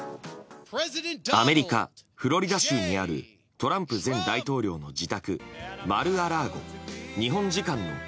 アメリカ・フロリダ州にあるトランプ前大統領の自宅マル・ア・ラーゴ。